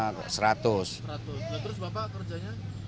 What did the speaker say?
terus bapak kerjanya